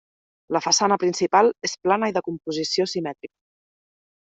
La façana principal és plana i de composició simètrica.